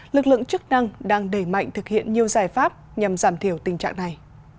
lực lượng chức năng đang đẩy mạnh thực hiện nhiều giải pháp nhằm giảm thiểu tình trạng này